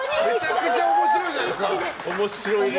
めちゃくちゃ面白いじゃないですか。